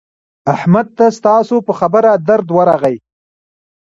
احمد ته ستاسو په خبره درد ورغی.